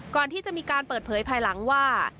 ก่อนที่จะมีการเปิดเผยภายหลังว่า